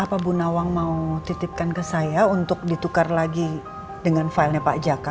apa bu nawang mau titipkan ke saya untuk ditukar lagi dengan filenya pak jaka